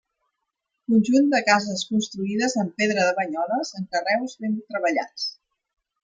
Conjunt de cases construïdes amb pedra de Banyoles en carreus ben treballats.